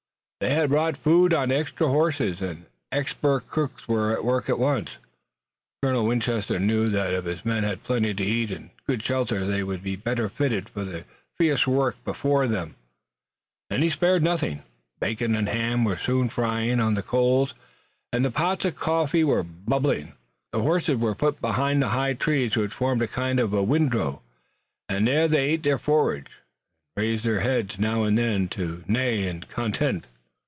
They had brought food on extra horses, and expert cooks were at work at once. Colonel Winchester knew that if his men had plenty to eat and good shelter they would be better fitted for the fierce work before them, and he spared nothing. Bacon and ham were soon frying on the coals and the pots of coffee were bubbling. The horses were put behind the high trees which formed a kind of windrow, and there they ate their forage, and raised their heads now and then to neigh in content.